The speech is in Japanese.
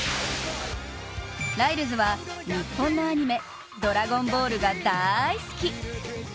ライルズは日本のアニメ「ドラゴンボール」が大好き。